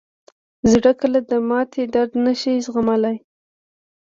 زړه کله د ماتې درد نه شي زغملی.